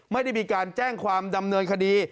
ไม่ได้มีการแจ้งความดำเนินคดี